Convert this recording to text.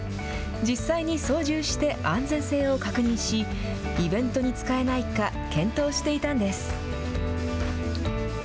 実際に操縦して安全性を確認し、イベントに使えないか、検討していたんです。